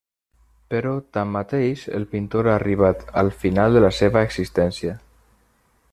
Però, tanmateix, el pintor ha arribat al final de la seva existència.